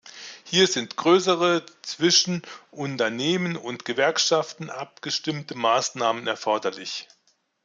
Hier sind größere, zwischen Unternehmern und Gewerkschaften abgestimmte Maßnahmen erforderlich.